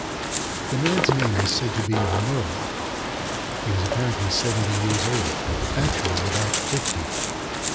The man's name was said to be Murlock. He was apparently seventy years old, actually about fifty.